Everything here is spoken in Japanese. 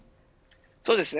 そうですね。